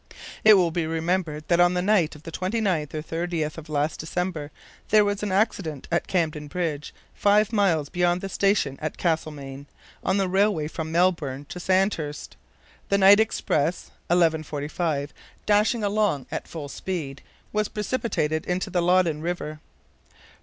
It will be remembered that on the night of the 29th or 30th of last December there was an accident at Camden Bridge, five miles beyond the station at Castlemaine, on the railway from Melbourne to Sandhurst. The night express, 11.45, dashing along at full speed, was precipitated into the Loddon River.